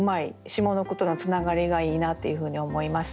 下の句とのつながりがいいなっていうふうに思いました。